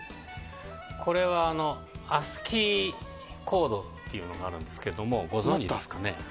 これは、アスキーコードっていうのがあるんですけどご存じですかね？